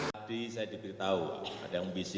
tadi saya diberitahu ada yang bisik